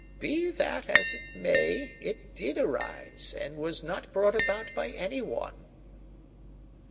Be that as it may, it did arise, and was not brought about by any one."